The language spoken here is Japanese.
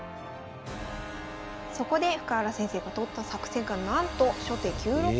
そこで深浦先生がとった作戦がなんと初手９六歩。